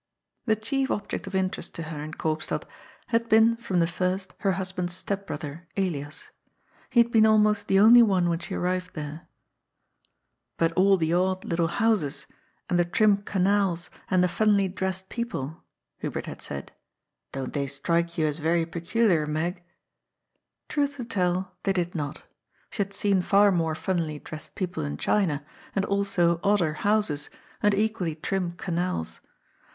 The chief object of interest to her in Koopstad had been from the first her husband's step brother, Elias. He had been almost the only one when she arrived there. '^ But all the odd little houses, and the trim canals, and the funnily dressed people? " Hubert had said. " Don't they strike you as very peculiar, Meg ?" Truth to tell, they did not. She 804 GOD'S POOL. had seen far more funnily dressed people in China, and also odder houses, and equally trim canals.